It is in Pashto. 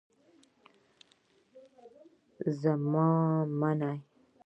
زما منی.